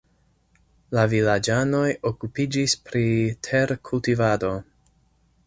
La vilaĝanoj okupiĝis pri terkultivado.